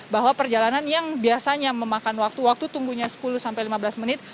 bahwa perjalanan yang biasanya memakan waktu waktu tunggunya sepuluh sampai lima belas menit